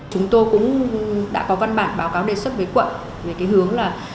chúng tôi cũng đã có văn bản báo cáo đề xuất với quận về cái hướng là